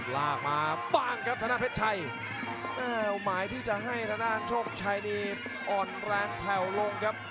ลากมาบ้างครับธนาเพชรชัยหมายที่จะให้ทางด้านโชคชัยนี้อ่อนแรงแผ่วลงครับ